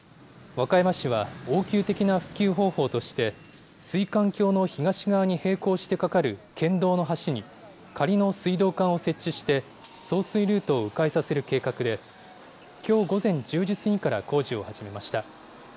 和歌山市は、応急的な復旧方法として、水管橋の東側に並行してかかる県道の橋に、仮の水道管を設置して、送水ルートをう回させる計画で、きょう午前１０時過ぎから工事を始めました。